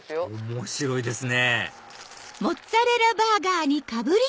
面白いですね